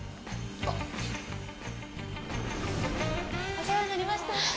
お世話になりました。